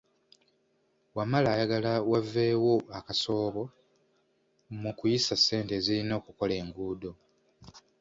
Wamala ayagala waveewo akasoobo mu kuyisa ssente ezirina okukola enguudo.